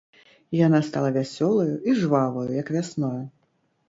Яна стала вясёлаю і жваваю, як вясною.